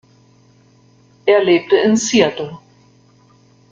Er lebte in Seattle.